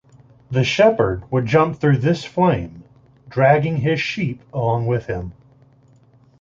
The shepherd would jump through this flame, dragging his sheep along with him.